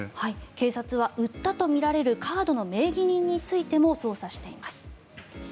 警察は売ったとみられるカードの名義人についても捜査しています。